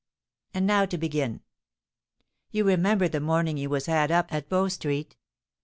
And now to begin. You remember the morning you was had up at Bow Street?